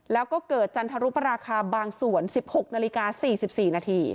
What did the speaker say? แล้วก็เกิดจันทรุปราคาบางส่วน๑๖นาฬิกา๔๔นาที